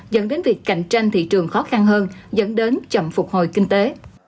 dẫn đến việc cạnh tranh thị trường khó khăn hơn dẫn đến chậm phục hồi kinh tế